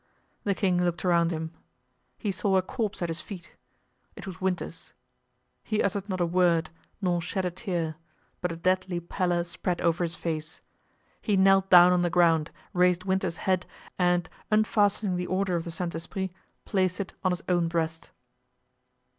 The king looked around him. He saw a corpse at his feet. It was Winter's. He uttered not a word, nor shed a tear, but a deadly pallor spread over his face; he knelt down on the ground, raised Winter's head, and unfastening the Order of the Saint Esprit, placed it on his own breast.